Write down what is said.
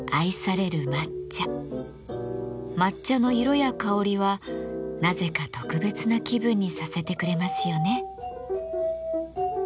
抹茶の色や香りはなぜか特別な気分にさせてくれますよね。